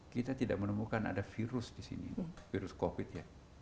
kita tidak menemukan ada virus di sini virus covid ya